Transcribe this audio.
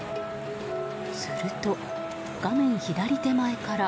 すると、画面左手前から。